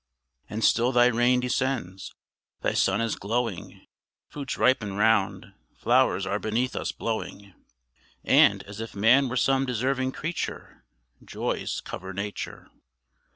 And still Thy rain descends, Thy sun is glowing, Fruits ripen round, flowers are beneath us blowing, And, as if man were some deserving creature, Joys cover nature.